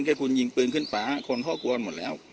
แค่คุณยิงปืนขึ้นฟ้าคนเขากลัวหมดแล้ว